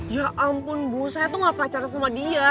ya ampun bu saya tuh gak pacar sama dia